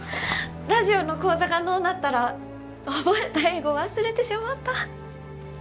ラジオの講座がのうなったら覚えた英語忘れてしもうた。